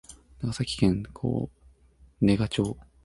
長崎県小値賀町